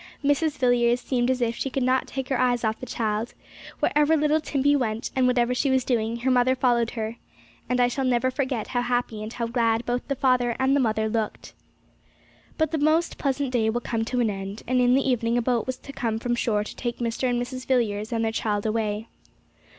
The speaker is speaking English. Mrs. Villiers seemed as if she could not take her eyes off the child; wherever little Timpey went, and whatever she was doing, her mother followed her, and I shall never forget how happy and how glad both the father and the mother looked. But the most pleasant day will come to an end; and in the evening a boat was to come from shore to take Mr. and Mrs. Villiers and their child away.